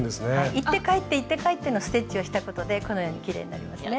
行って帰って行って帰ってのステッチをしたことでこのようにきれいになりますね。